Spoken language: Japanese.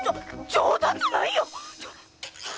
冗談じゃないよ！